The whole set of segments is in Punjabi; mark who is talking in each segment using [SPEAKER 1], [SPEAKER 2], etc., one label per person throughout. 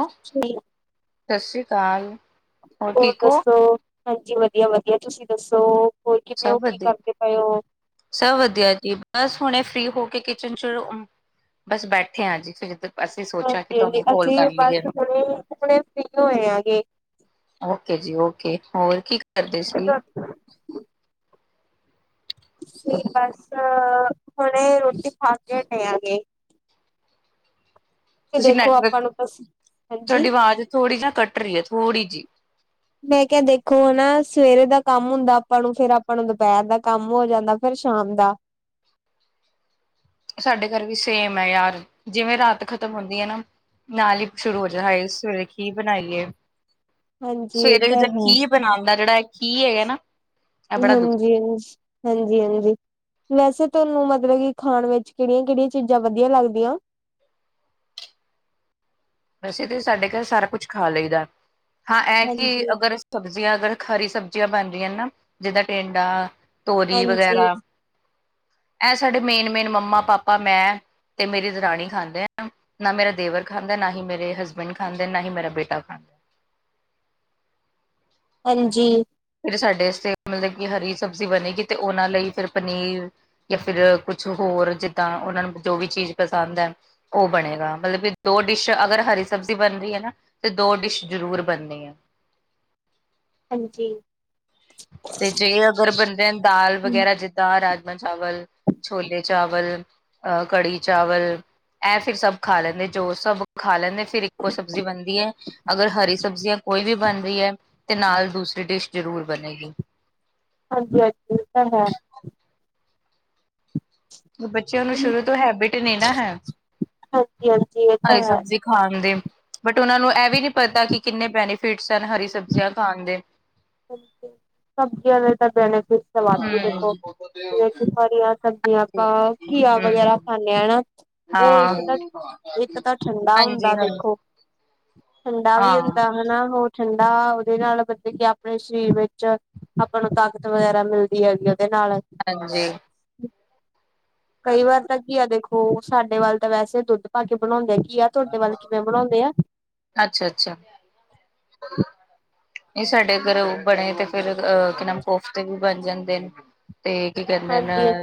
[SPEAKER 1] ਹੈਲੋ, ਸਤਿ ਸ਼੍ਰੀ ਅਕਾਲ
[SPEAKER 2] ਹੋਰ
[SPEAKER 1] ਠੀਕ ਹੋ
[SPEAKER 2] ਦੱਸੋ ਹਾਂਜੀ ਵਧੀਆ ਵਧੀਆ ਤੁਸੀਂ ਦੱਸੋ ਹੋਰ ਕਿਵੇਂ ਹੋ
[SPEAKER 1] ਸਭ
[SPEAKER 2] ਕੀ
[SPEAKER 1] ਵਧੀਆ
[SPEAKER 2] ਕਰਦੇ ਪਏ ਹੋ?
[SPEAKER 1] ਸਭ ਵਧੀਆ ਜੀ ਬਸ ਹੁਣੇ ਫ੍ਰਰੀ ਹੋ ਕੇ ਕਿਚਨ ਚ ਬਸ ਬੈਠੇ ਆਾਂ ਜੀ ਫਿਰ ਜਧਰ
[SPEAKER 2] ਹਾਂਜੀ ਹਾਂਜੀ ਅਸੀਂ ਬਸ ਹੁਣੇ ਹੁਣੇ ਫੀ ਹੋਏ ਆਾਂਗੇ
[SPEAKER 1] ਓਕੇ ਜੀ ਓਕੇ ਹੋਰ ਕੀ ਕਰਦੇ ਸੀ
[SPEAKER 2] ਅ [unintelligible] [unintelligible] ਠੀਕ ਬਸ ਹੁਣੇ ਰੋਟੀ ਖਾ ਕੇ ਹਟੇ ਆਗੇ
[SPEAKER 1] ਤੁਸੀਂ ਨੈਟਵਰਕ
[SPEAKER 2] ਨੂੰ ਬਸ
[SPEAKER 1] ਤੁਹਾਡੀ
[SPEAKER 2] ਹਾਂਜੀ।
[SPEAKER 1] ਆਵਾਜ਼ ਥੋੜੀ ਨਾ ਕੱਟ ਰਹੀ ਹੈ ਥੋੜ੍ਹੀ ਜਿਹੀ
[SPEAKER 2] ਮੈਂ ਕਿਹਾ ਦੇਖੋ ਨਾ ਸਵੇਰੇ ਦਾ ਕੰਮ ਹੁੰਦਾ ਆਪਾਂ ਨੂੰ ਫਿਰ ਆਪਾਂ ਨੂੰ ਦੁਪਹਿਰ ਦਾ ਕੰਮ ਹੋ ਜਾਂਦਾ ਫਿਰ ਸ਼ਾਮ ਦਾ
[SPEAKER 1] ਸਾਡੇ ਘਰ ਵੀ ਸੇਮ ਹੈ ਯਾਰ ਜਿਵੇਂ ਰਾਤ ਖਤਮ ਹੁੰਦੀ ਏ ਨਾ ਨਾਲ ਹੀ ਸ਼ੁਰੂ ਹੋ ਜਾਂ ਸਵੇਰੇ ਕੀ ਬਨਾਈਏ।
[SPEAKER 2] ਹਾਂਜੀ ਇਹ
[SPEAKER 1] ਸਵੇਰੇ
[SPEAKER 2] ਤਾਂ
[SPEAKER 1] ਜੇ
[SPEAKER 2] ਹੈ
[SPEAKER 1] ਕੀ ਬਨਾਂਨ ਦਾ ਜਿਹੜਾ ਇਹ ਕੀ ਹੈਗਾ ਨਾ ਇਹ ਬੜਾ ਦੁੱਖ
[SPEAKER 2] ਹਾਂਜੀ ਹਾਂਜੀ ਹਾਂਜੀ ਹਾਂਜੀ ਵੈਸੇ ਤੁਹਾਨੂੰ ਮਤਲੱਬ ਕਿ ਖਾਣ ਵਿੱਚ ਕਿਹੜੀਆਂ ਕਿਹੜੀਆਂ ਚੀਜ਼ਾਂ ਵਧੀਆ ਲੱਗਦੀਆਂ
[SPEAKER 1] [inaudible] ਵੈਸੇ ਤਾਂ ਸਾਡੇ ਘਰ ਸਾਰਾ ਕੁੱਛ ਖਾ ਲਈਦਾ ਹਾਂ ਇਹ ਕਿ
[SPEAKER 2] ਹਾਂਜੀ।
[SPEAKER 1] ਅਗਰ ਸਬਜ਼ੀਆਂ ਅਗਰ ਹਰੀ ਸਬਜ਼ੀਆਂ ਬਣ ਰਹੀਆਂ ਨਾ ਜਿੱਦਾਂ ਟੇਂਡਾ ਤੋਰੀ
[SPEAKER 2] ਹਾਂਜੀ,
[SPEAKER 1] ਵਗੈਰਾ ਐ ਸਾਡੇ ਮੇਨ ਮੇਨ ਮੰਮਾ ਪਾਪਾ ਮੈਂ ਤੇ ਮੇਰੀ ਦਰਾਣੀ ਖਾਂਦੇ ਆ ਨਾ ਮੇਰਾ ਦੇਵਰ ਖਾਂਦਾ ਨਾ ਹੀ ਮੇਰੇ ਹਸਬੈਂਡ ਖਾਂਦੇ ਨਾ ਹੀ ਮੇਰਾ ਬੇਟਾ ਖਾਂਦਾ
[SPEAKER 2] ਹਾਂਜੀ
[SPEAKER 1] ਫਿਰ ਸਾਡੇ ਆਸਤੇ ਮਤਲੱਬ ਕਿ ਹਰੀ ਸਬਜ਼ੀ ਬਣੇਗੀ ਤੇ ਉਹਨਾਂ ਲਈ ਫਿਰ ਪਨੀਰ ਜਾਂ ਫਿਰ ਕੁਝ ਕੁੱਛ ਹੋਰ ਜਿੱਦਾਂ ਉਹਨਾਂ ਨੂੰ ਜੋ ਵੀ ਚੀਜ਼ ਪਸੰਦ ਹੈ ਉਹ ਬਣੇਗਾ ਮਤਲੱਬ ਕਿ ਦੋ ਡਿਸ਼ ਅਗਰ ਹਰੀ ਸਬਜ਼ੀ ਬਨ ਰਹੀ ਹੈ ਨਾ ਤੇ ਦੋ ਡਿਸ਼ ਜ਼ਰੂਰ ਬਨਨੀ ਹੈ
[SPEAKER 2] ਹਾਂਜੀ
[SPEAKER 1] ਤੇ ਜੇ ਅਗਰ ਬਨਦੇ ਦਾਲ
[SPEAKER 2] ਹੂੰ।
[SPEAKER 1] ਵਗੈਰਾ ਜਿੱਦਾਂ ਰਾਜ ਰਾਜਮਾਂਹ ਚਾਵਲ ਛੋਲੇ ਚਾਵਲ ਅ ਕੜੀ ਚਾਵਲ ਇਹ ਫਿਰ ਸਭ ਖਾ ਲੈਂਦੇ ਜੋ ਸਭ ਖਾ ਲੈਂਦੇ ਫਿਰ ਇੱਕੋ ਸਬਜ਼ੀ ਬਣਦੀ ਹੈ ਅਗਰ ਹਰੀ ਸਬਜ਼ੀਆਂ ਕੋਈ ਵੀ ਬਨ ਰਹੀ ਹੈ ਤੇ ਨਾਲ ਦੂਸਰੀ ਡਿਸ਼ ਜ਼ਰੂਰ ਬਨੇਗੀ
[SPEAKER 2] ਹਾਂਜੀ ਹਾਂਜੀ ਇਹ ਤਾਂ ਹੈ
[SPEAKER 1] ਬੱਚਿਆਂ ਨੂੰ ਸ਼ੁਰੂ ਤੋਂ ਹੈਬਿਟ ਨਹੀਂ ਨਾ ਹੈ।
[SPEAKER 2] ਹਾਂਜੀ-ਹਾਂਜੀ, ਇਹ ਤਾਂ
[SPEAKER 1] ਹਰੀ
[SPEAKER 2] ਹੈ।
[SPEAKER 1] ਸਬਜ਼ੀ ਖਾਣ ਦੀ ਉਨਾ ਨੂੰ ਇਹ ਵੀ ਨਹੀਂ ਪਤਾ ਕਿੰਨੇ ਬੈਨੀਫਿਟਸ ਹਨ ਹਰੀ ਸਬਜ਼ੀਆਂ ਖਾਣ ਦੇ
[SPEAKER 2] ਸਬਜ ਸਬਜ਼ੀਆਂ ਦਾ ਤਾਂ ਬੈਨਫਿਟ ਤੇ ਵਾਧੂ
[SPEAKER 1] ਹਮ
[SPEAKER 2] ਦੇਖੋ ਜਿਵੇਂ ਹਰੀਆਂ ਸਬਜ਼ੀਆਂ ਆਪਾਂ, ਘੀਆ ਵਗੈਰਾ
[SPEAKER 1] ਹਮ
[SPEAKER 2] ਖਾਂਦੇ ਹਾਂ ਹਨਾ। ਓ
[SPEAKER 1] ਹਾਂ
[SPEAKER 2] ਇੱਕ ਤਾ,
[SPEAKER 1] ਹਾਂਜੀ
[SPEAKER 2] ਇੱਕ ਤਾ ਠੰਡਾ ਹੁੰਦਾ ਦੇਖੋ।
[SPEAKER 1] ਹਾਂਜੀ
[SPEAKER 2] ਠੰਡਾ ਵੀ
[SPEAKER 1] ਹਾਂ
[SPEAKER 2] ਹੁੰਦਾ ਹੈਨਾ ਹੋਰ ਠੰਡਾ ਓਦੇ ਨਾਲ ਗੱਦੇ ਗੈਪ। ਆਪਣੇ ਸਰੀਰ ਵਿੱਚ ਆਪਾਂ ਨੂੰ ਤਾਕਤ ਵਗੈਰਾ ਮਿਲਦੀ ਹੈਗੀ ਆ। ਤੇ, ਨਾਲ
[SPEAKER 1] ਹਾਂਜੀ,
[SPEAKER 2] ਕਈ ਵਾਰ ਤਾਂ ਕੀ ਐ ਦੇਖੋ ਸਾਡੇ ਵੱਲ ਤਾਂ ਵੈਸੇ ਦੁੱਧ ਪਾ ਕੇ ਬਣਾਉਂਦੇ ਨੇ। ਘੀਆ ਤੁਹਾਡੇ ਵੱਲ, ਕਿਵੇਂ ਬਣਾਉਂਦੇ ਆ।
[SPEAKER 1] ਇਹ, ਸਾਡੇ ਅੰਦਰ ਬਣੇ, ਤੇ ਫਿਰ ਕੋਫਤੇ, ਵੀ ਬਣ ਜਾਂਦੇ ਨੇ, ਤੇ ਕੀ ਕਹਿੰਦੇ ਨਾ।
[SPEAKER 2] ਹਾਂਜੀ,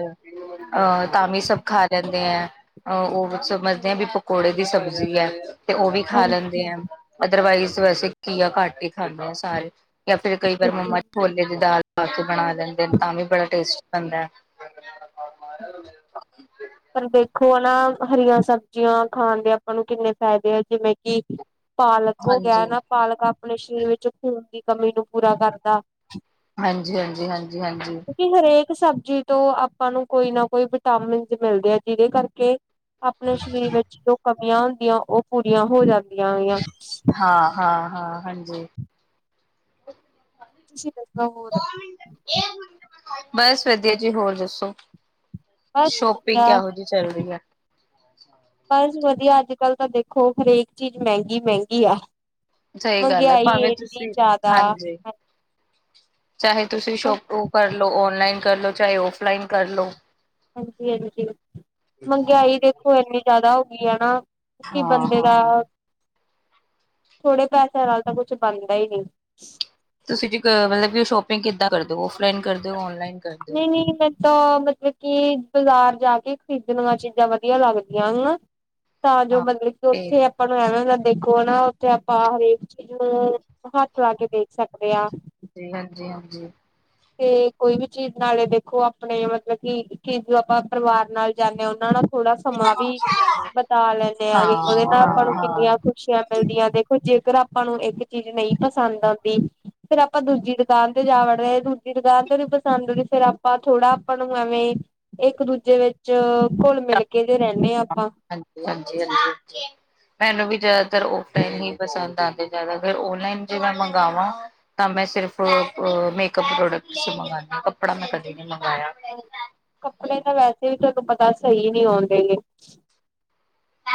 [SPEAKER 1] ਅਹ ਤਾਂ ਵੀ ਸਭ ਖਾ ਲੈਂਦੇ ਆ। ਅਹ ਉਹ ਸਮਝਦੇ ਆ ਵੀ ਪਕੌੜੇ ਦੀ ਸਬਜ਼ੀ ਐ। ਉਹ ਵੀ ਖਾ
[SPEAKER 2] ਹਾਂਜੀ।
[SPEAKER 1] ਲੈਂਦੇ ਆ, ਅਦਰਵਾਈਜ਼ ਵੈਸੇ ਘੀਆ, ਘੱਟ ਹੀ ਖਾਂਦੇ ਆ ਸਾਰੇ। ਯਾਂ ਫਿਰ, ਕਈ ਵਾਰ ਮੰਮਾ, ਛੋਲੇ ਦੀ ਦਾਲ, ਪਾ ਕੇ ਬਣਾ ਲੈਂਦੇ ਨੇ, ਤਾਂ ਵੀ ਬੜਾ ਟੇਸਟ ਬਣਦਾ
[SPEAKER 2] ਪਰ ਦੇਖੋ ਹਨ ਨਾ ਹਰੀਆਂ ਸਬਜ਼ੀਆਂ ਖਾਣ ਦੇ ਆਪਾਂ ਨੂੰ, ਕਿੰਨੇ ਫ਼ਾਇਦੇ ਆ। ਜਿਵੇਂ, ਕਿ ਪਾਲਕ ਹੋ ਗਿਆ
[SPEAKER 1] ਹਾਂਜੀ,
[SPEAKER 2] ਨਾ, ਪਾਲਕ ਆਪਣੇ ਸਰੀਰ ਵਿੱਚ, ਖੂਨ ਦੀ ਕਮੀ ਨੂੰ ਪੂਰਾ ਕਰਦਾ।
[SPEAKER 1] ਹਾਂਜੀ, ਹਾਂਜੀ, ਹਾਂਜੀ, ਹਾਂਜੀ
[SPEAKER 2] ਕਿਉਂਕਿ ਹਰੇਕ ਸਬਜ਼ੀ ਤੋਂ ਆਪਾਂ ਨੂੰ, ਕੋਈ ਨਾ ਕੋਈ, ਵਿਟਾਮਿਨ ਮਿਲਦੇ ਆ। ਜਿਹਦੇ, ਕਰਕੇ ਆਪਣੇ ਸਰੀਰ ਵਿੱਚ ਜੋ ਕਮੀਆਂ ਹੁੰਦੀਆਂ ਉਹ ਪੂਰੀਆਂ ਹੋ ਜਾਂਦੀਆਂਗੀਆਂ।
[SPEAKER 1] ਹਾਂ, ਹਾਂ, ਹਾਂ ਹਾਂਜੀ।
[SPEAKER 2] ਤੁਸੀਂ ਦੱਸੋ
[SPEAKER 1] ਦੋ
[SPEAKER 2] ਹੋਰ
[SPEAKER 1] ਮਿੰਟ ਇਹ ਮਿੰਟ ਬਸ ਵਧੀਆ ਜੀ ਹੋਰ ਦੱਸੋ
[SPEAKER 2] ਬਸ
[SPEAKER 1] ਸ਼ੋਪਿੰਗ
[SPEAKER 2] ਵਧੀਆ
[SPEAKER 1] ਕਿਹੋ ਜਿਹੀ ਚੱਲਰੀ ਹੈ। ਅੱਛਾ।
[SPEAKER 2] ਪਰ ਵਧੀਆ ਅੱਜ ਕੱਲ੍ਹ ਤਾਂ ਦੇਖੋ ਹਰੇਕ ਚੀਜ਼ ਮਹਿੰਗੀ ਮਹਿੰਗੀ ਆ।
[SPEAKER 1] ਸਹੀ ਗੱਲ ਹੈ
[SPEAKER 2] ਮਹਿੰਗਾਈ
[SPEAKER 1] ਭਾਵੇਂ
[SPEAKER 2] ਇੰਨੀ
[SPEAKER 1] ਤੁਸੀਂ
[SPEAKER 2] ਜ਼ਿਆਦਾ
[SPEAKER 1] ਹਾਂਜੀ। ਚਾਹੇ ਤੁਸੀਂ ਸ਼ੋਪ ਕਰਲ ਓਨਲਾਈਨ ਕਰਲੋ ਚਾਹੇ ਆਫਲਾਈਨ ਕਰਲੋ।
[SPEAKER 2] ਹਾਂਜੀ ਹਾਂਜੀ ਮਹਿੰਗਾਈ ਦੇਖੋ ਇਨੀ ਜ਼ਿਆਦਾ ਹੋ ਗਈ ਹੈ ਨਾ
[SPEAKER 1] ਹਾਂ
[SPEAKER 2] ਬੰਦੇ
[SPEAKER 1] ਹਾਂ
[SPEAKER 2] ਦਾ। ਥੋੜੇ ਪੈਸਿਆਂ ਨਾਲ ਤਾਂ ਕੁਛ ਬਣਦਾ ਹੀ ਨਹੀਂ
[SPEAKER 1] ਤੁਸੀਂ ਜ ਮਤਲਬ ਕਿ ਉਹ ਸ਼ੋਪਿੰਗ ਕਿੱਦਾਂ ਕਰਦੇ। ਔਫਲਾਈਨ ਕਰਦੇ ਹੋ ਔਨਲਾਈਨ ਕਰਦੇ ਹੋ
[SPEAKER 2] ਨਹੀਂ ਨਹੀਂ ਮੈਂ ਤਾਂ ਮਤਲਬ ਕਿ ਬਾਜ਼ਾਰ ਜਾ ਕੇ ਖ਼ਰੀਦਣ ਵਾਲੀਆਂ ਚੀਜ਼ਾਂ ਵਧੀਆ ਲੱਗਦੀਆਂ ਹਨ ਨਾ। ਤਾਂ ਜੋ
[SPEAKER 1] ਹਾਂ
[SPEAKER 2] ਮਤਲਬ ਕਿ
[SPEAKER 1] ਤੇ
[SPEAKER 2] ਉੱਥੇ ਆਪਾਂ ਨੂੰ ਐਵੇਂ ਦੇਖੋ ਨਾ ਉੱਥੇ ਆਪਾਂ ਹਰੇਕ ਚੀਜ਼ ਨੂੰ ਹੱਥ ਲਾ ਕੇ ਦੇਖ ਸਕਦੇ ਹਾਂ।
[SPEAKER 1] ਹਾਂਜੀ ਹਾਂਜੀ।
[SPEAKER 2] ਤੇ ਕੋਈ ਵੀ ਚੀਜ਼ ਨਾਲੇ ਦੇਖੋ ਆਪਣੇ ਮਤਲਬ ਕਿ ਕਿ ਜੋ ਆਪਾਂ ਪਰਿਵਾਰ ਨਾਲ ਜਾਂਦੇ ਹਾਂ ਉਹਨਾਂ ਨਾਲ ਥੋੜਾ ਸਮਾਂ ਵੀ ਬਤਾ ਲੈਂਦੇ ਆ
[SPEAKER 1] ਹਾਂ
[SPEAKER 2] ਗ ਉਹਦੇ
[SPEAKER 1] ਹਾਂ
[SPEAKER 2] ਨਾਲ ਆਪਾਂ ਨੂੰ
[SPEAKER 1] ਹਾਂ
[SPEAKER 2] ਕਿੰਨੀਆਂ ਖੁਸ਼ੀਆਂ ਮਿਲਦੀਆਂ ਦੇਖੋ ਜੇ ਫਰ ਆਪਾਂ ਨੂੰ ਇੱਕ ਚੀਜ਼ ਨਹੀਂ ਪਸੰਦ ਆਉਂਦੀ ਫੇਰ ਆਪਾਂ ਦੂਜੀ ਦੁਕਾਨ ਤੇ ਜਾ ਵੜਦੇ ਲਗਾੀ ਪਸੰਦੀ ਫੇਰ ਆਪਾਂ ਥੋੜਾ ਆਪਾਂ ਨੂੰ ਐਵੇਂ ਇੱਕ ਦੂਜੇ ਵਿੱਚ ਘੁਲ ਮਿਲ ਕੇ ਜੋ ਰਹਿੰਦੇ ਹਾਂ। ਆਪਾਂ
[SPEAKER 1] ਹਾਂਜੀ ਹਾਂਜੀ ਹਾਂਜੀ। ਮੈਨੂੰ ਵੀ ਜ਼ਿਆਦਾਤਰ ਓਫਨ ਹੀ ਪਸੰਦ ਆਉਂਦੇਿ ਜਿਆਦਾਤਰ ਫਰ ਓਨਲਾਈਨ ਜੇ ਮੈਂ ਮੰਗਵਾਵਾਂ ਤਾਂ ਮੈਂ ਸਿਰਫ਼ ਮੇਕਅਪ ਪ੍ਰੋਡਕਟ ਚ ਮੰਗਵਾਉਾਨ ਕੱੜਾ ਮੈਂ ਕਦੇ ਨੀ ਮੰਉ
[SPEAKER 2] ਕੱਪੜੇ ਤਾਂ ਵੈਸੇ ਵੀ ਤੁਾਨੂੰ ਪਤਾ ਸਹੀ ਨਹੀਂ ਆਉਂਦੇ ਗ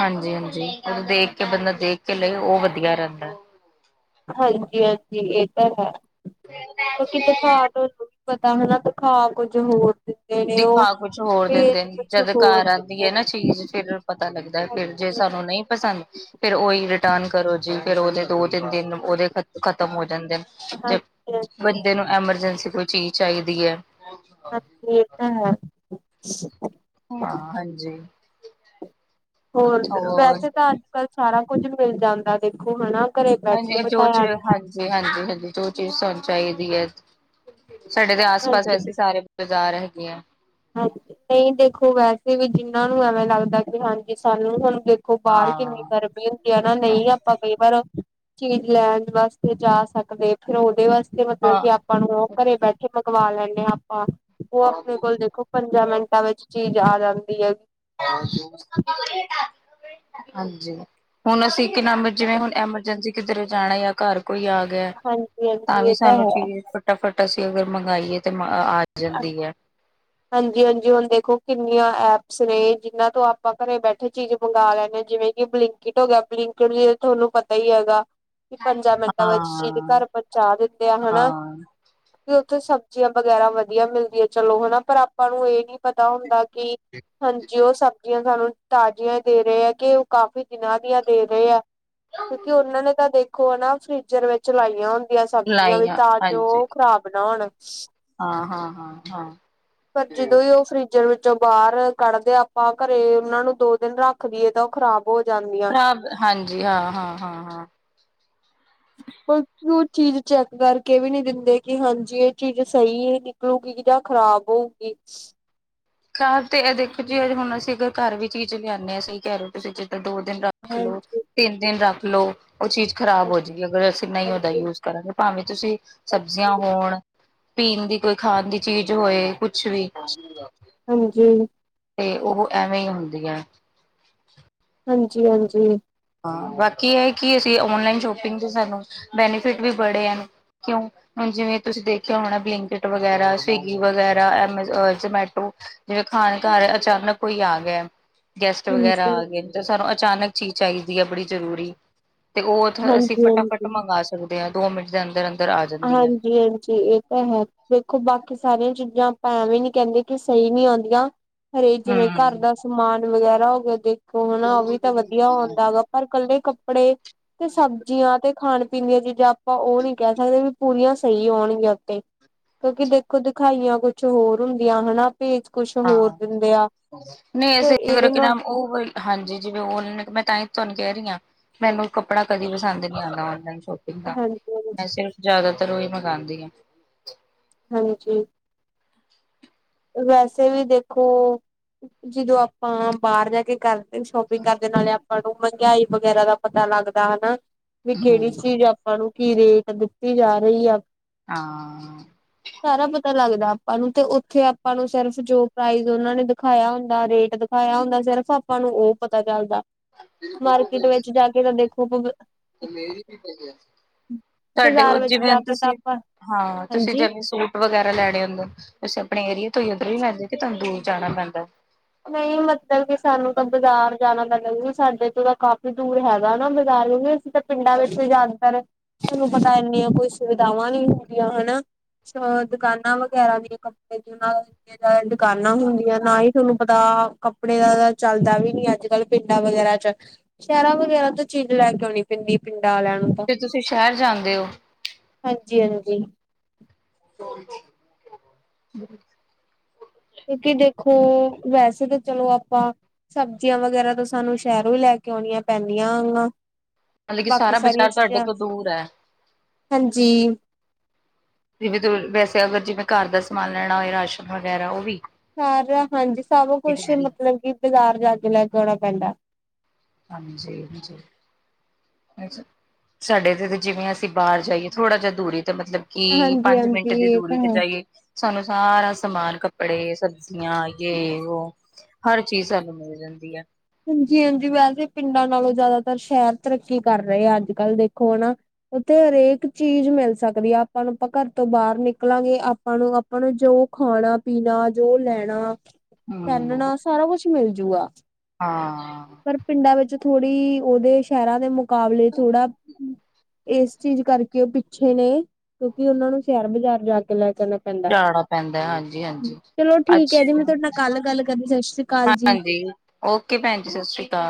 [SPEAKER 1] ਹਾਂਜੀ ਹਾਂਜੀ ਉਹ ਦੇਖ ਕੇ ਬੰਦਾ ਦੇਖ ਕੇ ਲਏ ਉਹ ਵਧੀਆ ਰਹਿੰਦਾ।
[SPEAKER 2] ਹਾਂਜੀ ਹਾਂਜੀ ਇਹ ਤਾਂ ਹੈ ਕਿਉਕ ਦਿਖਾ ਤੁਹਾਨੂੰ ਪਤਾ ਹਨਾ ਤਖਾ ਕੁੱਝ ਹੋਰ ਦਿੰਦੇ ਨੇ
[SPEAKER 1] ਦਿਖਾ
[SPEAKER 2] ਉਹ
[SPEAKER 1] ਕੁਛ ਹੋਰ ਦਿੰਦੇ
[SPEAKER 2] ਭੇਜ
[SPEAKER 1] ਨੇ
[SPEAKER 2] ਕੁਛ
[SPEAKER 1] ਜਦ
[SPEAKER 2] ਹੋਰ
[SPEAKER 1] ਘਰ ਆਉਂਦੀ
[SPEAKER 2] ਦਿੰਦੇ
[SPEAKER 1] ਹੈ
[SPEAKER 2] ਨੇ
[SPEAKER 1] ਨਾ ਚੀਜ਼ ਫਿਰ ਪਤਾ ਲੱਗਦਾ ਫਿਰ ਜਿਸ
[SPEAKER 2] ਹਾਂਜੀ
[SPEAKER 1] ਸਾਨੂੰ ਨਹੀਂ ਪਸੰਦ ਫਿਰ ਉਹੀ ਰਿਟਰਨ ਕਰੋ ਜੀ ਫੇਰ ਉਹਦੇ ਦੋ ਦਿਨ ਉਹਦੇ ਖ ਖਤਮ ਹੋ ਜਾਂਦੇ ਨੇ ਤੇ ਬੰਦੇ ਨੂੰ ਐਮਰਜਸੀ [unintelligible] ਕੋਈ ਚੀਜ਼ ਚਾਹੀਦੀ ਹੈ।
[SPEAKER 2] ਹਾਂ।
[SPEAKER 1] ਹਾਂ ਹਾਂਜੀ
[SPEAKER 2] ਹੋਰ ਵੈਸੇ ਤਾਂ ਅੱਜ ਕੱਲ ਸਾਰਾ ਕੁੱਝ ਮਿਲ ਜਾਂਦਾ ਦੇਖੋ ਹਨਾ। ਘਰੇ ਬੈਠੇ
[SPEAKER 1] ਹਾਂਜੀ ਜੋ ਚ
[SPEAKER 2] ਬਿਠਾਇਆ ਨੂੰ
[SPEAKER 1] ਹਾਂਜੀ ਹਾਂਜੀ ਹਾਂਜੀ ਜੋ ਚੀਜ਼ ਸਾਨੂੰ ਚਾਹੀਦੀ ਹੈ। ਸਾਡੇ ਦੇ ਆਸ ਪਾਸ
[SPEAKER 2] ਹਾਂਜੀ
[SPEAKER 1] ਵੈਸੇ ਸਾਰੇ ਬਾਜ਼ਾਰ ਹੈਗੇ ਆ।
[SPEAKER 2] ਹਾਂਜੀ ਨਹੀਂ ਦੇਖੋ ਵੈਸੇ ਵੀ ਜਿਹਨਾਂ ਨੂੰ ਐਵੇਂ ਲੱਗਦਾ ਕਿ ਹਾਂਜੀ ਸਾਨੂੰ ਹੁਣ ਦੇਖੋ ਬਾਹਰ
[SPEAKER 1] ਹਾਂ
[SPEAKER 2] ਕਿੰਨੀ ਗਰਮੀ ਹੁੰਦੀ ਹੈ ਨਾ ਨਹੀਂ ਆਪਾਂ ਕਈ ਵਾਰ ਚੀਜ਼ ਲੈਣ ਵਾਸਤੇ ਜਾ ਸਕਦੇ ਫੇਰ ਉਹਦੇ ਵਾਸਤੇ ਮਤਲਬ
[SPEAKER 1] ਹਾਂ
[SPEAKER 2] ਕਿ ਆਪਾਂ ਨੂੰ ਉਹ ਘਰੇ ਬੈਠੇ ਪਕਵਾ ਲੈਂਦੇ ਹਾਂ ਆਪਾਂ ਉਹ ਆਪਣੇ ਕੋਲ ਦੇਖੋ ਪੰਜਾਂ ਮਿੰਟਾਂ ਵਿੱਚ ਚੀਜ਼ ਆ ਜਾਂਦੀ ਹੈਗੀ।
[SPEAKER 1] ਹਾਂਜੀ ਹੁਣ ਅਸੀਂ ਕਿ ਨ ਜਿਵੇਂ ਹੁਣ ਐਮਰਜੈਂਸੀ ਕਿਧਰੇ ਜਾਣਾ ਜਾਂ ਘਰ ਕੋਈ ਆ ਗਿਆ
[SPEAKER 2] ਹਾਂਜੀ
[SPEAKER 1] ਤਾਂ
[SPEAKER 2] ਹਾਂਜੀ
[SPEAKER 1] ਵੀ
[SPEAKER 2] ਇਹ
[SPEAKER 1] ਸਾਨੂੰ
[SPEAKER 2] ਹੈ
[SPEAKER 1] ਚੀਜ਼ ਫਟਾਫਟ ਅਸੀਂ ਅਗਰ ਮੰਗਵਾਏ ਤੇ ਆ ਜਾਂਦੀ ਹੈ।
[SPEAKER 2] ਹਾਂਜੀ ਹਾਂਜੀ ਹੁਣ ਦੇਖੋ ਕਿੰਨੀਆਂ ਐਪ ਸਨੇਹ ਜਿਨਾਂ ਤੋਂ ਆਪਾਂ ਘਰੇ ਬੈਠੇ ਚੀਜ਼ ਮੰਗਵਾ ਲੈਂਦੇ ਹਾਂ ਜਿਵੇਂ ਕਿ ਬਲਿੰਕਟ ਹੋ ਗਿਆ ਬਿੰਕ ਜ ਤੁਹਾਨੂੰ ਪਤਾ ਹੀ ਹੈਗਾ। ਵੀ ਪੰਜਾਂ ਮਿੰਟਾਂ ਵਿੱਚ ਜੀ ਦੇ
[SPEAKER 1] ਹਾਂ,
[SPEAKER 2] ਘਰ ਪਹੁੰਚਾ ਦਿੰਦੇ ਆ ਹਨਾ।
[SPEAKER 1] ਹਾਂ
[SPEAKER 2] ਉੱਥੇ ਸਬਜ਼ੀਆਂ ਵਗੈਰਾ ਵਧੀਆ ਮਿਲਦੀਆਂ ਚਲੋ ਹਨਾ ਪਰ ਆਪਾਂ ਨੂੰ ਇਹ ਨੀ ਪਤਾ ਹੁੰਦਾ ਹਾਂਜੀ ਉਹ ਸਬਜ਼ੀਆਂ ਸਾਨੂੰ ਤਾਜ਼ੀਆਂ ਦੇ ਰਹੇ ਹੈ ਕਿ ਉਹ ਕਾਫੀ ਦਿਨਾਂ ਦੀਆਂ ਦੇ ਰਹੇ ਆ। ਕਿਉਂਕਿ ਉਹਨਾਂ ਨੇ ਤਾਂ ਦੇਖੋ ਨਾ ਫ੍ਰਿਜਰ ਵਿੱਚ ਲਾਈਆਂ ਹੁੰਦੀਆਂ ਦੀਆਂ ਸਬਜ਼ੀਆਂ ਵੀ
[SPEAKER 1] ਲਾਈਆਂ
[SPEAKER 2] ਤਾਂ ਜੋ
[SPEAKER 1] ਹਾਂਜੀ
[SPEAKER 2] ਉਹ ਖ਼ਰਾਬ ਨਾ ਹੋਣ।
[SPEAKER 1] ਹਾਂ ਹਾਂ ਹਾਂ ਹਾਂ।
[SPEAKER 2] ਪਰ ਜਦੋਂ ਹੀ ਉਹ ਫਰਿਜ ਜ ਵਿੱਚੋਂ ਬਾਹਰ ਕੱਢਦੇ ਆਪਾਂ ਘਰੇ ਉਹਨਾਂ ਨੂੰ ਦੋ ਦਿਨ ਰੱਖ ਦੀਈਏ ਤਾਂ ਉਹ ਖ਼ਰਾਬ ਹੋ ਜਾਂਦੀਆਂ
[SPEAKER 1] ਖਰਾਬ ਹਾਂਜੀ ਹਾਂ ਹਾਂ ਹਾਂ ਹਾਂ।
[SPEAKER 2] ਬਕਿ ਉਹ ਚੀਜ਼ ਚੈੱਕ ਕਰਕੇ ਵੀ ਨਹੀਂ ਦਿੰਦੇ ਕਿ ਹਾਂਜੀ ਇਹ ਚੀਜ਼ ਸਹੀ ਨਿਕਲੂਗੀ ਜਾਂ ਖ਼ਰਾਬ ਹੋਊਗੀ।
[SPEAKER 1] ਖਰਾਬ ਤੇ ਦੇਖੋ ਜੀ ਅਜ ਹੁਣ ਅਸੀਂ ਅਗਰ ਘਰ ਵੀ ਚੀਜ਼ ਲਿਆਉਂਦੇ ਹਾਂ ਸਹੀ ਕਹਿ ਰਹੇ ਤੁਸੀਂ ਦੋ ਦਿਨ ਰੱਖ ਲੋ
[SPEAKER 2] ਹਾਂਜੀ
[SPEAKER 1] ਤਿੰਨ ਦਿਨ ਰੱਖ ਲੋ ਉਹ ਚੀਜ਼ ਖ਼ਰਾਬ ਹੋ ਜਾਏਗੀ ਅਗਰ ਅਸੀਂ ਨਹੀਂ ਉਹਓਦਦਾ
[SPEAKER 2] ਹਾਂਜੀ
[SPEAKER 1] ਯੂਜ ਕਰਾਂਗੇ ਭਾਵੇਂ ਤੁਸੀਂ ਸਬਜ਼ੀਆਂ
[SPEAKER 2] ਹਾਂਜੀ
[SPEAKER 1] ਹੋਣ ਪੀਣ ਦੀ ਕੋਈ ਖਾਣ ਦੀ ਚੀਜ਼ ਹੋਏ ਕੁਛ ਵੀ
[SPEAKER 2] ਹਾਂਜੀ।
[SPEAKER 1] ਤੇ ਉਹ ਐਵੇਂ ਹੀ ਹੁੰਦੀਆਂ।
[SPEAKER 2] ਹਾਂਜੀ ਹਾਂਜੀ।
[SPEAKER 1] ਹਾਂ ਬਾਕੀ ਇਹ ਕਿ ਅਸੀਂ ਔਨਲਾਈਨ ਸ਼ੋਪਿੰਗ ਤੇ ਸਾਨੂੰ ਬੈਨੀਫਿਟ ਵੀ ਬੜੇ ਹਨ ਕਿਉਂ ਜਿਵੇਂ ਤੁਸੀਂ ਦੇਖਿਆ ਹੋਣਾ ਬਲਿੰਕਟ ਵਗੈਰਾ ਸਵਿਗੀ ਵਗੈਰਾ ਜਮੈਟੋ ਜਿਵੇਂ ਖਾ ਅਚਾਨਕ ਕੋਈ ਆ ਗਿਆ। ਗੈਸਟ ਵਗੈਰਾ ਆ ਗਏ ਨੇ ਤੇ ਸਾਨੂੰ ਅਚਾਨਕ ਚੀਜ਼ ਚਾਹੀਦੀ ਹੈ ਬੜੀ ਜ਼ਰੂਰੀ ਤੇ ਉਹਥੇ ਅਸੀਂ ਫਟਾਫਟ
[SPEAKER 2] ਹਾਂਜੀ-ਹਾਂਜੀ।
[SPEAKER 1] ਮੰਗਵਾ ਸਕਦੇ ਹਾਂ ਦੋ ਮਿੰਟ ਦੇ ਅੰਦਰ ਅੰਦਰ ਆ ਜਾਂਦੀ ਹੈ
[SPEAKER 2] ਹਾਂਜੀ ਹਾਂਜੀ ਇਹ ਤਾਂ ਹੈ ਦੇਖੋ ਬਾਕੀ ਸਾਰੀਆਂ ਚੀਜ਼ਾਂ ਆਪਾਂ ਐਵੇਂ ਨੀ ਕਹਿੰਦੇ ਕਿ ਸਹੀ ਨੀ ਆਉਂਦੀਆਂ ਹਰੇ ਜਿਵੇਂ ਘਰ
[SPEAKER 1] ਹਮ
[SPEAKER 2] ਦਾ ਸਮਾਨ ਵਗੈਰਾ ਹੋ ਗਿਆ ਦੇਖੋ ਹਨਾ ਉਹ ਵੀ ਤਾਂ ਵਧੀਆ ਹੁੰਦਾ ਹੈ ਗਗਾ ਪਰ ਇਕੱਲੇ ਕੱਪੜੇ ਤੇ ਸਬਜ਼ੀਆਂ ਤੇ ਖਾਣ ਪੀਣ ਦੀਆਂ ਚੀਜ਼ਾਂ ਆਪਾਂ ਉਹ ਨੀ ਕਹਿ ਕ ਸਕਦੇ ਵੀ ਪੂਰੀਆਂ ਸਹੀ ਹੋਣਗੀਆਂ ਉੱਥੇ ਕਿਉਂਕਿ ਦੇਖੋ ਦਿਖਾਈਆਂ ਕੁਛ ਹੋਰ ਹੁੰਦੀਆਂ ਹਨਾ। ਭੇਜ ਕੁਛ ਹੋਰ ਦਿੰਦੇ ਆ। ਫਿਰ
[SPEAKER 1] ਨਹੀਂਰ
[SPEAKER 2] ਇਹਦੇ
[SPEAKER 1] ਕੀ
[SPEAKER 2] ਨਾਲ
[SPEAKER 1] ਨਾਮ ਉਹ ਹਾਂਜੀ ਜਿਵੇਂ ਉਹ ਨੇ ਮੈਂ ਤਾਂ ਹੀ ਤੁਹਾਨੂੰ ਕਹਿ ਰਹੀ ਹਾਂ। ਮੈਨੂੰ ਕੱਪੜਾ ਕਦੀ ਪਸੰਦ ਨਹੀਂੀ ਆਉਂਦਾ ਨਲਾਈਨ ਸ਼ੋਪਿੰਗ ਦਾ ਮੈਂ
[SPEAKER 2] ਹਾਂਜੀ-ਹਾਂਜੀ,
[SPEAKER 1] ਸਿਰਫ ਜ਼ਿਆਦਾ ਤਾਂ ਰੋਜ਼ ਮੰਗਵਾਉਂਦੀ ਆ।
[SPEAKER 2] ਹਾਂਜੀਜੀ। ਵੈਸੇ ਵੀ ਦੇਖੋ ਜਦੋਂ ਆਪਾਂ ਬਾਹਰ ਜਾ ਕੇ ਕਰ ਸ਼ੋਪਿੰਗ ਕਰਦੇ ਨਾਲੇ ਆਪਾਂ ਨੂੰ ਮਹਿੰਗਾਈ ਵਗੈਰਾ ਦਾ ਪਤਾ ਲੱਗਦਾ ਹਨਾ। ਵੀ ਕਿਹੜੀ
[SPEAKER 1] ਹਮ
[SPEAKER 2] ਚੀਜ਼ ਆਪਾਂ ਨੂੰ ਕੀ ਰੇਟ ਦਿੱਤੀ ਜਾ ਰਹੀ ਆ। ਸਾਰਾ
[SPEAKER 1] ਹਾਂ।
[SPEAKER 2] ਪਤਾ ਲੱਗਦਾ ਆਪਾਂ ਨੂੰ ਤੇ ਉੱਥੇ ਆਪਾਂ ਨੂੰ ਸਿਰਫ ਜੋ ਪ੍ਰਾਈਜ਼ ਉਹਨਾਂ ਨੇ ਦਿਖਾਇਆ ਹੁੰਦਾ ਰੇਟ ਦਿਖਾਇਆ ਹੁੰਦਾ ਸਿਰਫ਼ ਆਪਾਂ ਨੂੰ ਉਹ ਪਤਾ ਚੱਲਦਾ। ਮਾਰਕੀਟ ਵਿੱਚ ਜਾ ਕੇ ਰਦੇ ਖੂਬ
[SPEAKER 1] [inaudible] ਤੁਹਾਡੇ ਉਹ ਜਿਵੇਂ ਹ ਤੁਸੀਂ ਹਾਂ ਤੁਸੀਂ
[SPEAKER 2] ਹਾਂਜੀ
[SPEAKER 1] ਜਿਵੇਂ ਸੂਟ ਵਗੈਰਾ ਲੈਣੇ ਹੁੰਦੇ ਤੁ ਆਪਣੇ ਏਰੀਏ ਤੋਂ ਹੀ ਉੱਧਰ ਹੀ ਲੈਂਦੇ ਕੇ ਤੁਹਾਨੂੰ ਦੂਰ ਜਾਣਾ ਪੈਂਦਾ।
[SPEAKER 2] ਨਹੀਂ ਮਤਲਬ ਕਿ ਸਾਨੂੰ ਤਾਂ ਬਾਜ਼ਾਰ ਜਾਣਾ ਲੱਗ ਸਾਡੇ ਤੋਂ ਤਾਂ ਕਾਫੀ ਦੂਰ ਹੈਗਾ ਨਾ ਬਾਜ਼ਾਰ। ਅਸੀਂ ਤਾਂ ਪਿੰਡਾਂ ਵਿੱਚ ਜਿਆਦਾਤਰ ਤੁਹਾਨੂੰ ਪਤਾ ਇੰਨੀਆਂ ਕੋਈ ਸੁਵਿਧਾਵਾਂ ਨਹੀਂ ਹੁੰਦੀਆਂ ਹਨਾ। ਦੁਕਾਨਾਂ ਵਗੈਰਾ ਦੀਆਂ ਕੱਪੜੇ ਦੀ ਜ ਦੁਕਾਨਾਂ ਹੁੰਦੀਆਂ ਨਾ ਹੀ ਤੁਹਾਨੂੰ ਪਤਾ ਕੱਪੜੇ ਦਾ ਤਾਂ ਚੱਲਦਾ ਵੀ ਨੀ ਅੱਜ ਕੱਲ ਪਿੰਡਾਂ ਵਗੈਰਾ ਚ ਸ਼ਹਿਰਾਂ ਵਗੈਰਾ ਤੋਂ ਚਿੰਨ ਲੈ ਉਣੀ ਪੈਂਦੀ ਪਿੰ
[SPEAKER 1] ਫੇ ਤੁਸੀਂ ਸ਼ਹਿਰ ਜਾਂਦੇ ਹੋ।
[SPEAKER 2] ਜੀ ਹਾਂਜੀ।
[SPEAKER 1] [unintelligible]
[SPEAKER 2] ਕਿਉਂਕਿ ਦੇਖੋ ਵੈਸੇ ਤਾਂ ਚਲੋ ਆਪਾਂ ਸਬਜ਼ੀਆਂ ਵਗੈਰਾ ਤਾਂ ਸਾਨੂੰ ਸ਼ਹਿਰੋਂ ਹੀ ਲੈ ਕੇ ਆਉਣੀਆਂ ਪੈਂਦੀਆਂ ਹੈਨਾ
[SPEAKER 1] ਮਤਲਬ ਕਿ
[SPEAKER 2] ਬਾਕੀ
[SPEAKER 1] ਸਾਰਾ
[SPEAKER 2] ਸਾਰੀਆਂ
[SPEAKER 1] ਬਾਜ਼ਾਰ ਤੁਹਾਡੇ
[SPEAKER 2] ਚੀਜ਼ਾਂ
[SPEAKER 1] ਤੋਂ ਦੂਰ ਹੈ
[SPEAKER 2] ਹਾਂਜੀ
[SPEAKER 1] ਜਿਵੇਂ ਤ ਵੈਸੇ ਅਗਰ ਜਿਵੇਂ ਘਰ ਦਾ ਸਮਾਨ ਲੈਣਾ ਹੋਏ ਰਾਸ਼ਨ ਵਗੈਰਾ ਉਹ ਵੀ
[SPEAKER 2] ਸਾਰਾ ਹਾਂਜੀ ਸਭ ਕੁਛ
[SPEAKER 1] ਡੈਰੀ
[SPEAKER 2] ਮਤਲਬ ਕਿ ਬਾਜ਼ਾਰ ਜਾ ਕੇ ਲੈ ਕੇ ਆਉਣਾ ਪੈਂਦਾ
[SPEAKER 1] ਹਾਂਜੀ [unintelligible] ਅੱਛਾ ਸਾਡੇ ਤੇ ਜਿਵੇਂ ਅਸੀਂ ਬਾਹਰ ਜਾਈਏ ਥੋੜਾ ਜਿਹਾ ਦੂਰੀ ਤੇ ਮਤਲਬ ਕਿ
[SPEAKER 2] ਹਾਂਜੀ
[SPEAKER 1] ਪੰਜ ਮਿੰਟ
[SPEAKER 2] ਹਾਂਜੀ
[SPEAKER 1] ਦੀ
[SPEAKER 2] ਇਹ ਤਾਂ
[SPEAKER 1] ਦੂਰੀ ਤੇ
[SPEAKER 2] ਹੈ।
[SPEAKER 1] ਜਾਈਏ ਸਾਨੂੰ ਸਾਰਾ ਸਮਾਨ ਕੱਪੜੇ ਸਬਜ਼ੀਆਂ ਯੇ ਵੋਹ ਹਰ ਚੀਜ਼ ਸਾਨੂੰ ਮਿਲ ਜਾਂਦੀ ਹੈ
[SPEAKER 2] ਹਾਂਜੀ ਹਾਂਜੀ ਵੈਸੇ ਪਿੰਡਾਂ ਨਾਲੋਂ ਜ਼ਿਆਦਾਤਰ ਸ਼ਹਿਰ ਤਰੱਕੀ ਕਰ ਰਹੇ ਆ ਅੱਜ ਕੱਲ੍ਹ ਦੇਖੋ ਹੈਨਾ ਉੱਥੇ ਹਰੇਕ ਚੀਜ਼ ਮਿਲ ਸਕਦੀ ਹੈ ਆਪਾਂ ਨੂੰ ਆਪਾਂ ਘਰ ਤੋਂ ਬਾਹਰ ਨਿਕਲਾਂਗੇ ਆਪਾਂ ਨੂੰ ਆਪਾਂ ਨੂੰ ਜੋ ਉਹ ਖਾਣਾ ਪੀਣਾ ਜੋ ਲੈਣਾ
[SPEAKER 1] ਹੂੰ।
[SPEAKER 2] ਪਹਿਨਣਾ ਸਾਰਾ ਕੁਛ ਮਿਲਜੂਗਾ
[SPEAKER 1] ਹਾਂ
[SPEAKER 2] ਪਰ ਪਿੰਡਾਂ ਵਿੱਚ ਥੋੜੀ ਉਹਦੇ ਸ਼ਹਿਰਾਂ ਦੇ ਮੁਕਾਬਲੇ ਥੋੜਾ ਇਸ ਚੀਜ਼ ਕਰਕੇ ਉਹ ਪਿੱਛੇ ਨੇ ਕਿਉਂਕਿ ਉਹਨਾਂ ਨੂੰ ਸ਼ੇਅਰ ਬਾਜ਼ਾਰ ਜਾ ਕੇ ਲੈ ਕੇ ਕਰਨਾ ਪੈਂਦਾ
[SPEAKER 1] ਜਾਣਾ ਪੈਂਦਾ ਹਾਂਜੀ-ਹਾਂਜੀ
[SPEAKER 2] ਚਲੋ ਠੀਕ ਹੈ ਜੀ ਮੈਂ
[SPEAKER 1] ਅੱਛਾ।
[SPEAKER 2] ਤੁਹਾਡੇ ਨਾਲ ਕੱਲ ਗੱਲ ਕਰਨੀ ਸਤਿ ਸ੍ਰੀ ਅਕਾਲ ਜੀ।
[SPEAKER 1] ਹਾਂਜੀ ਓਕੇ ਭੈਣ ਜੀ ਸਤਿ ਸ੍ਰੀ ਅਕਾਲ